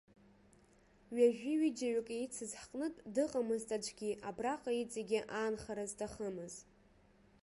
Ҩажәиҩыџьаҩык еицыз ҳҟнытә дыҟамызт аӡәгьы абраҟа иҵегьгьы аанхара зҭахымыз.